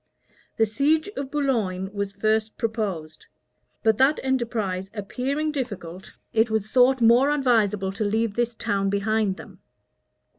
The siege of Boulogne was first proposed; but that enterprise appearing difficult, it was thought more advisable to leave this town behind them.